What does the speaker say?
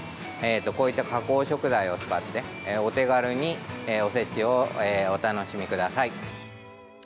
こういった加工食材を使ってお手軽におせちをお楽しみください。